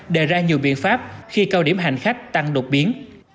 đề ra nhiều biện pháp khi cao điểm hành khách tăng đột biến